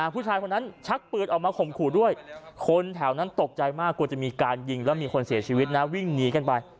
ผู้ชายคนนั้นชักปืนออกมาข่มขู่ด้วยคนแถวนั้นตกใจมากกลัวจะมีการยิงแล้วมีคนเสียชีวิตนะวิ่งหนีกันไป